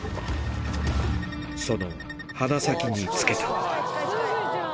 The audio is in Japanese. その鼻先につけた。